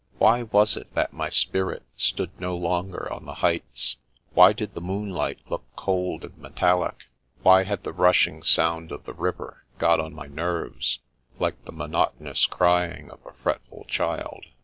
Why was it that my spirit stood no longer on the heights ? Why did the moonlight look cold and metallic? Why had the rushing sound of the river got on my nerves, like the monotonous cryitig of a fretful child?